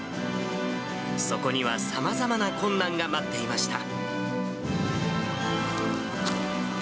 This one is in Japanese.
そこにはさまざまな困難が待っていました。